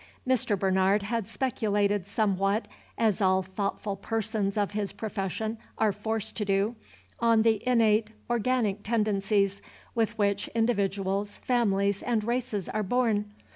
Mr. Bernard had speculated somewhat, as all thoughtful persons of his profession are forced to do, on the innate organic tendencies with which individuals, families, and races are born.